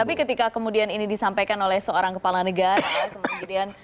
tapi ketika kemudian ini disampaikan oleh seorang kepala negara